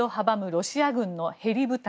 ロシア軍のヘリ部隊。